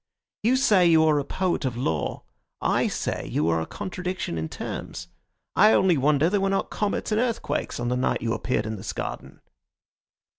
You say you are a poet of law; I say you are a contradiction in terms. I only wonder there were not comets and earthquakes on the night you appeared in this garden."